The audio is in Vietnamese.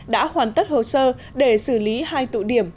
đã hoàn tất hồ sơ để xử lý hai tụ điểm